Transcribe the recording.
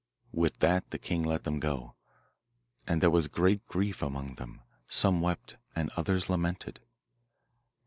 With that the king let them go, and there was great grief among them; some wept and others lamented.